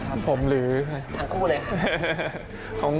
ทั้งคู่เลยครับ